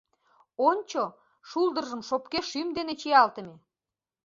— Ончо: шулдыржым шопке шӱм дене чиялтыме.